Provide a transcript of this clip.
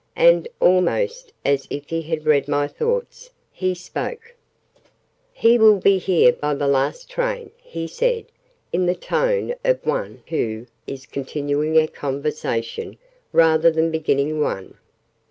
And, almost as if he had read my thoughts, he spoke. "He will be here by the last train," he said, in the tone of one who is continuing a conversation rather than beginning one.